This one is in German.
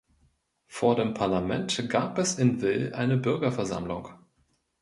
Vor dem Parlament gab es in Wil eine Bürgerversammlung.